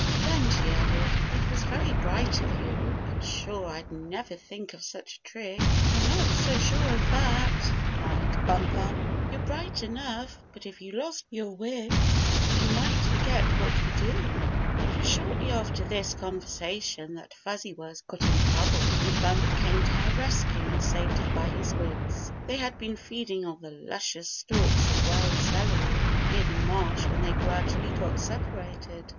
Then she added: "It was very bright of you. I'm sure I'd never think of sudhi a trick." 26 Bumper Saves Fuzzy Wuzz from Snake "I'm not so sure of that," replied Bumper. " You're bright enough, but if you lost your wits you might forget what to do." It was shortly after this conversation that Fuzzy Wuzz got in trouble, and Bumper came to her rescue and saved her by his wits. They had been feeding on the luscious stalks of wild celery near the marsh when they gradually got separated.